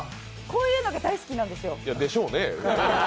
こういうのが大好きなんですよ。でしょうね。